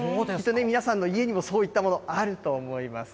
皆さんの家にも、そういったものあると思います。